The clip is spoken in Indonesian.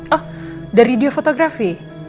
oh dari dio photography